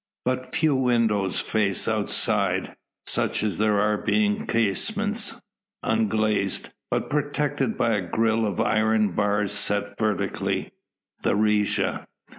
But few windows face outside; such as there are being casements, unglazed, but protected by a grille of iron bars set vertically the reja.